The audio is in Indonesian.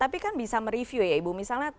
tapi kan bisa mereview ya ibu misalnya